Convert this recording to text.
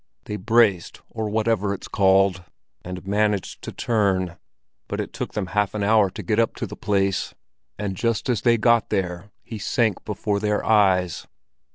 They braced—or whatever it's called—and managed to turn; but it took them half an hour to get up to the place. And just as they got there, he sank before their eyes.